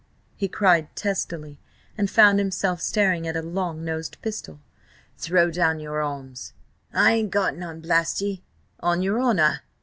he cried testily, and found himself staring at a long nosed pistol. "Throw down your arms!" "I ain't got none, blast ye!" "On your honour?"